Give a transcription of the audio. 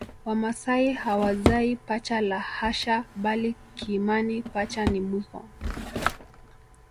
Wamasai hawazai pacha la hasha bali kiimani pacha ni mwiko